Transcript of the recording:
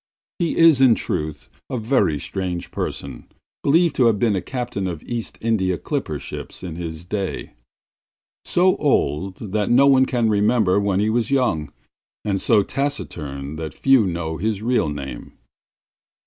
He is, in truth, a very strange person, believed to have been a captain of East India clipper ships in his day; so old that no one can remember when he was young, and so taciturn that few know his real name.